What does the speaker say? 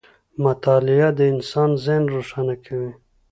• مطالعه د انسان ذهن روښانه کوي.